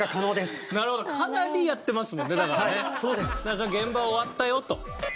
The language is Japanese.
じゃあ「現場終わったよ」と。